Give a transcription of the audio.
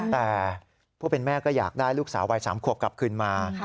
แต่ผู้เป็นแม่ก็อยากได้ลูกสาววัย๓ขวบกลับคืนมา